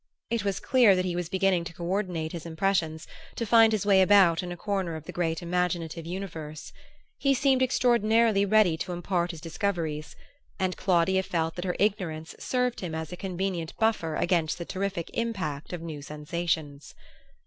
It was clear that he was beginning to co ordinate his impressions, to find his way about in a corner of the great imaginative universe. He seemed extraordinarily ready to impart his discoveries; and Claudia felt that her ignorance served him as a convenient buffer against the terrific impact of new sensations.